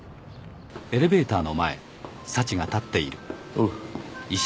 おう。